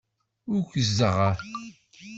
Ukzɣ